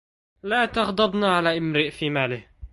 لا تغضبن على امرئ في ماله